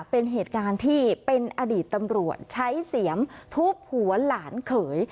เป็นเหตุการณ์ที่เป็นอดีตตำรวจใช้เสียมทุบหัวหลานเขย